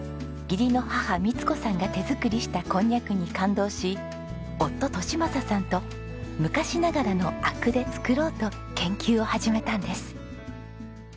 義理の母みつ子さんが手作りしたこんにゃくに感動し夫利正さんと昔ながらの灰汁で作ろうと研究を始めたんです。